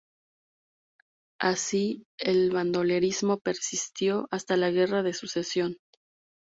Así el bandolerismo persistió hasta la Guerra de Sucesión.